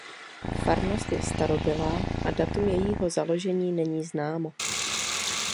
Farnost je starobylá a datum jejího založení není známo.